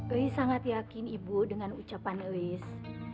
ais sangat yakin ibu dengan ucapan lois